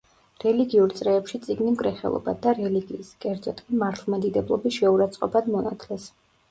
რელიგიურ წრეებში წიგნი მკრეხელობად და რელიგიის, კერძოდ კი, მართლმადიდებლობის შეურაცხყოფად მონათლეს.